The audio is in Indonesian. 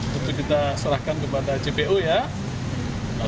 tentu kita serahkan kepada jpu ya